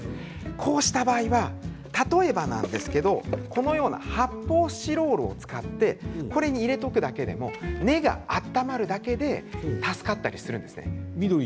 こうした場合は例えばなんですけれどこのような発泡スチロールを使ってこれに入れておくだけで根が温まるだけで助かってしまいます。